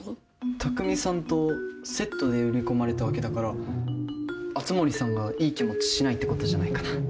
匠さんとセットで売り込まれたわけだから熱護さんがいい気持ちしないってことじゃないかな。